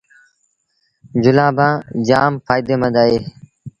جُلآݩبآݩ جآم ڦآئيٚدي مند اهي